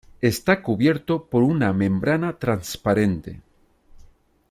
Está cubierto por una membrana transparente.